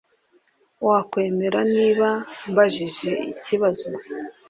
Wakwemera niba mbajije ikibazo?